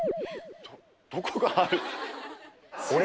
どこがある。